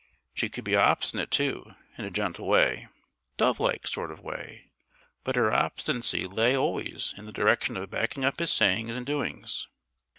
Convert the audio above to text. She could be obstinate, too, in a gentle, dove like sort of way; but her obstinacy lay always in the direction of backing up his sayings and doings.